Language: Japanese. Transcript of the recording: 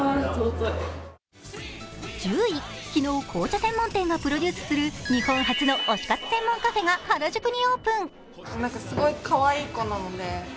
昨日、紅茶専門店がプロデュースする日本初の推し活専門店カフェが原宿にオープン。